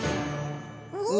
お！